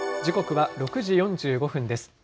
時刻は６時４５分です。